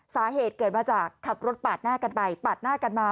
สาเหตุเกิดมาจากขับรถปาดหน้ากันไปปาดหน้ากันมา